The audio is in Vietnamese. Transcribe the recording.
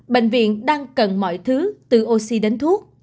bệnh viện đang cần mọi thứ từ oxy đến thuốc